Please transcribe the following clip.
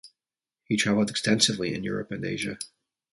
He travelled extensively in Europe and Asia.